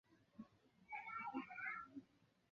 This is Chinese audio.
川甘槭为槭树科槭属下的一个种。